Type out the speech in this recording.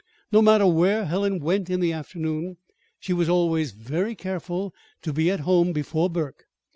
No matter where Helen went in the afternoon, she was always very careful to be at home before Burke.